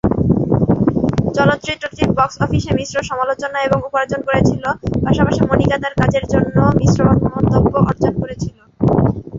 চলচ্চিত্রটি বক্স অফিসে মিশ্র সমালোচনা এবং উপার্জন করেছিল, পাশাপাশি মনিকা তার কাজের জন্যও মিশ্র মন্তব্য অর্জন করেছিলেন।